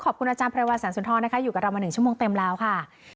ขอบคุณอาจารย์ไพรวัลแสงสุนทรนะคะอยู่กับเรามา๑ชั่วโมงเต็มแล้วค่ะ